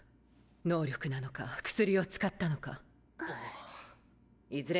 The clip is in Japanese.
能力なのか薬を使ったのか。